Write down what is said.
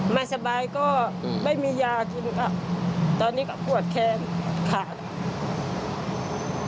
ไม่สบายก็ไม่มียากินครับตอนนี้ก็ปวดแค้นขาด